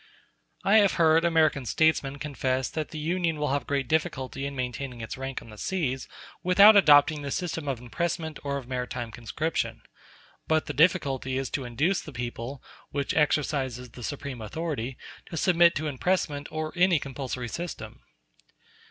I have heard American statesmen confess that the Union will have great difficulty in maintaining its rank on the seas without adopting the system of impressment or of maritime conscription; but the difficulty is to induce the people, which exercises the supreme authority, to submit to impressment or any compulsory system.